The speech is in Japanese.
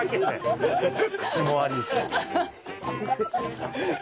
口も悪いし。